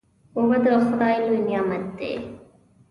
اوبه د خدای لوی نعمت دی.